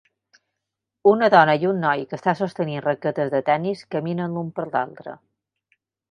Una dona i un noi que està sostenint raquetes de tennis caminen un per l'altre.